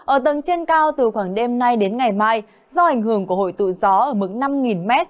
ở tầng trên cao từ khoảng đêm nay đến ngày mai do ảnh hưởng của hội tụ gió ở mức năm m